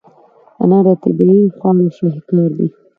انار د طبیعي خواړو شاهکار دی.